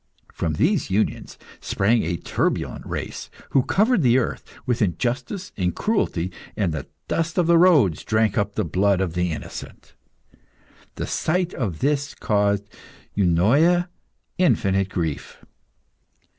From these unions sprang a turbulent race, who covered the earth with injustice and cruelty, and the dust of the roads drank up the blood of the innocent. The sight of this caused Eunoia infinite grief.